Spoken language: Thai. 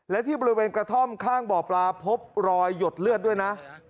และที่บริเวณกระท่อมข้างบ่อปลาพบรอยหยดเลือดด้วยนะ